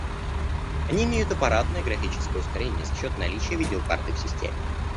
Они имеют аппаратное графическое ускорение за счёт наличия видеокарты в системе